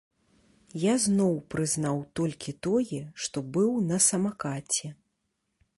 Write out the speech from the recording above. Я зноў прызнаў толькі тое, што быў на самакаце.